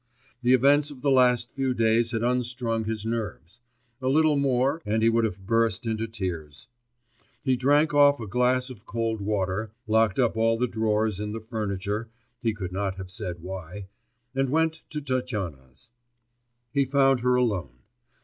The events of the last few days had unstrung his nerves; a little more, and he would have burst into tears. He drank off a glass of cold water, locked up all the drawers in the furniture, he could not have said why, and went to Tatyana's. He found her alone.